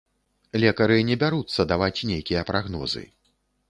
Лекары не бяруцца даваць нейкія прагнозы.